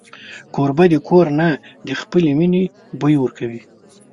کوربه د کور نه د خپلې مینې بوی ورکوي.